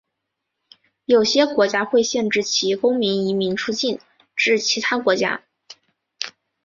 有些国家会限制其公民移民出境至其他国家。